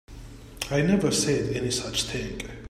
I never said any such thing.